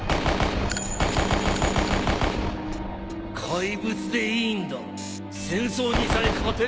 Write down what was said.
怪物でいいんだ戦争にさえ勝てればな。